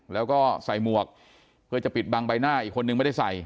แล้วก็ใส่หมวกเพื่อจะปิดบังใบหน้าอีกคนนึงไม่ได้ใส่